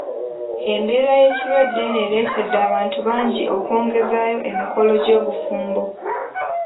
Embeera y'ekirwadde eno ereetedde abantu bangi okwongezaayo emikolo gy'obufumbo.